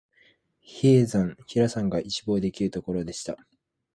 比叡山、比良山が一望できるところでした